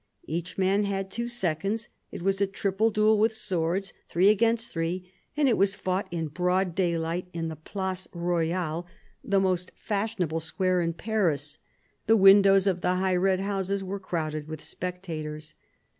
Each man had two seconds : it was a triple duel with swords, three against three ; and it was fought in broad daylight in the Place Royale, the most fashionable 178 CARDINAL DE RICHELIEU square in Paris. The windows of the high red houses were crowded with spectators.